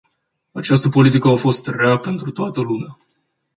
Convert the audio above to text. Această politică a fost rea pentru toată lumea.